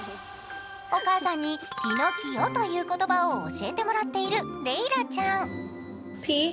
お母さんに「ピノキオ」という言葉を教えてもらっているレイラちゃん。